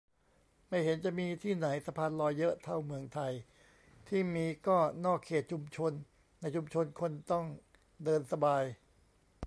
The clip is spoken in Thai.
ไม่เห็นจะมีที่ไหนสะพานลอยเยอะเท่าเมืองไทย ที่มีก็นอกเขตชุมชน ในชุมชนคนต้องเดินสบาย